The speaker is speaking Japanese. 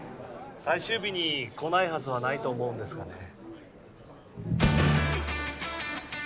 最終日に来ないはずはないと思うんですがね